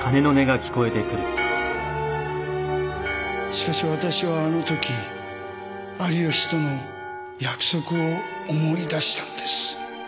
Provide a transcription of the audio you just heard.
しかし私はあのとき有吉との約束を思い出したのです。